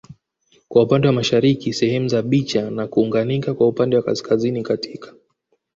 kwa upande wa mashariki sehemu za Bicha na kuunganika kwa upande wa kaskazini katika